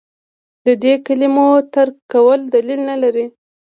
د دې کلمو ترک کول دلیل نه لري.